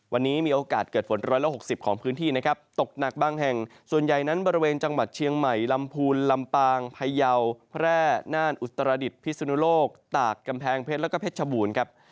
วันนี้มีโอกาสเกิดฝน๑๖๐ของพื้นที่นะครับตกหนักบางแห่งส่วนใหญ่นั้นบริเวณจังหวัดเชียงใหม่ลำพูนลำปางพยาวแพร่น่านอุตรดิษฐพิสุนุโลกตากกำแพงเพชรแล้วก็เพชรชบูรณ์ครับ